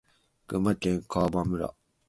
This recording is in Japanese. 群馬県川場村